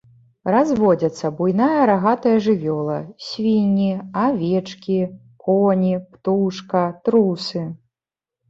Разводзяцца буйная рагатая жывёла, свінні, авечкі, коні, птушка, трусы.